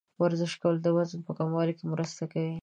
ورزش کول د وزن په کمولو کې مرسته کوي.